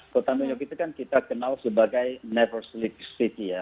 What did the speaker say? kota new york itu kan kita kenal sebagai nevers league city ya